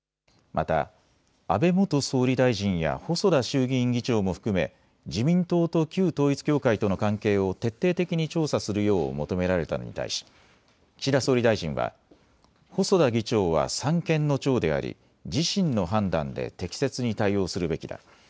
また安倍元総理大臣や細田衆議院議長も含め自民党と旧統一教会との関係を徹底的に調査するよう求められたのに対し岸田総理大臣は細田議長は三権の長であり自身の判断で適切に対応するべきだ。